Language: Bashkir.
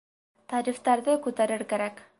Тарифтарҙы күтәрер кәрәк.